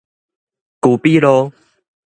居比路